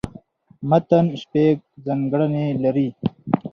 متن شپږ ځانګړني لري.